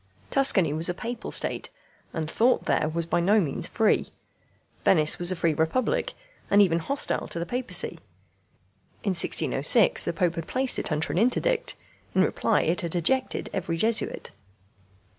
Tuscany was a Papal State, and thought there was by no means free. Venice was a free republic, and was even hostile to the Papacy. In 1606 the Pope had placed it under an interdict. In reply it had ejected every Jesuit.